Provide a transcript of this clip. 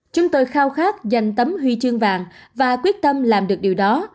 chúng tôi khao khát dành tấm huy chương vàng và quyết tâm làm được điều đó